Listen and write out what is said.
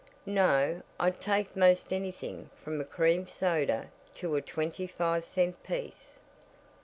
"No, I'd take most anything from a cream soda to a twenty five cent piece."